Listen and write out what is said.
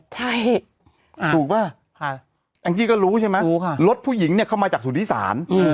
ใช่ถูกป่ะแองจี้ก็รู้ใช่ไหมรถผู้หญิงเนี่ยเข้ามาจากสุธิศาล